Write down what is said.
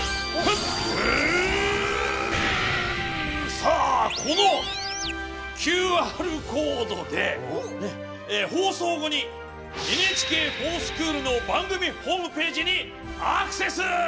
さあこのＱＲコードでねっ放送後に「ＮＨＫｆｏｒＳｃｈｏｏｌ」の番組ホームページにアクセス！